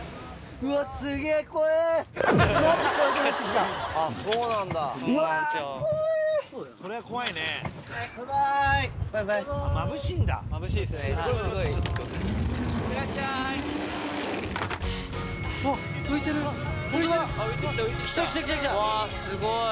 うわすごい！